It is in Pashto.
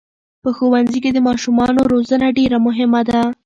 په ښوونځي کې د ماشومانو روزنه ډېره مهمه ده.